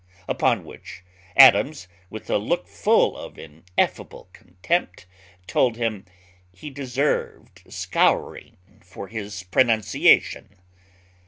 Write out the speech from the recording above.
"_ Upon which Adams, with a look full of ineffable contempt, told him, "He deserved scourging for his pronunciation."